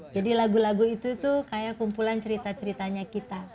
jadi lagu lagu itu tuh kayak kumpulan cerita ceritanya kita